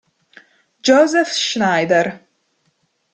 Josef Schneider